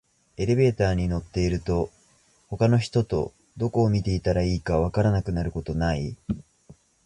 エレベーターに乗ってると、他の人とどこを見ていたらいいか分からなくなることない？